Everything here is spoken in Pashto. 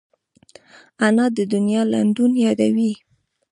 انا د دنیا لنډون یادوي